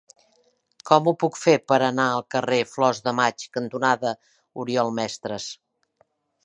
Com ho puc fer per anar al carrer Flors de Maig cantonada Oriol Mestres?